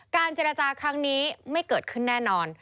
เจรจาครั้งนี้ไม่เกิดขึ้นแน่นอน